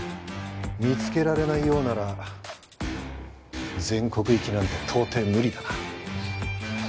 見つけられないようなら全国行きなんて到底無理だな。